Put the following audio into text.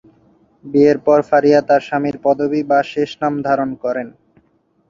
বিয়ের পর ফারিয়া তার স্বামীর পদবী বা শেষ নাম ধারণ করেন।